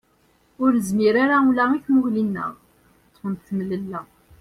Ur nezmir ara ula i tmuɣli-nneɣ, ṭṭfent temlella.